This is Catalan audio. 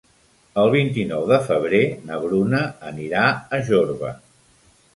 El vint-i-nou de febrer na Bruna anirà a Jorba.